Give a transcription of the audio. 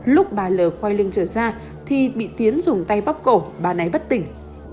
lúc bà l quay lưng trở ra thì bị tiến dùng tay bóp cổ bà này bất tỉnh